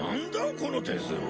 この点数は。